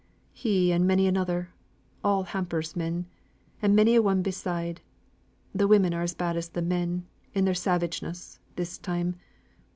"He and many another, all Hamper's men, and many a one besides. Th' women are as bad as th' men, in their savageness, this time.